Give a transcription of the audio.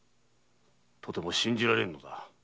とても信じられぬのだ。